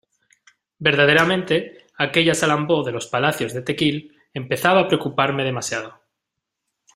verdaderamente, aquella Salambó de los palacios de Tequil empezaba a preocuparme demasiado.